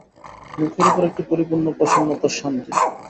মুখের উপরে একটি পরিপূর্ণ প্রসন্নতার শান্তি।